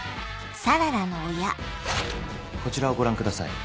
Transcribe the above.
こちらをご覧ください。